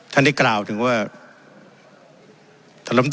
ต้องกล่าวคิดว่า